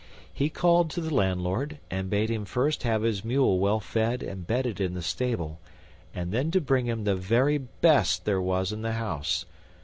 He called to the landlord, and bade him first have his mule well fed and bedded in the stable, and then to bring him the very best there was in the house.